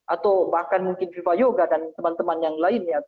atau bahkan mungkin viva yoga dan teman teman yang lain ya